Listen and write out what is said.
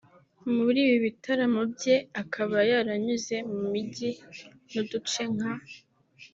muri ibi bitaramo bye akaba yaranyuze mu mijyi n’uduce nka